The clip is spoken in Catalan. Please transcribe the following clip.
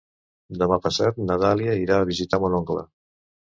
Demà passat na Dàlia irà a visitar mon oncle.